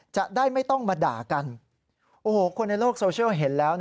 จะได้ไม่ต้องมาด่ากันโอ้โหคนในโลกโซเชียลเห็นแล้ว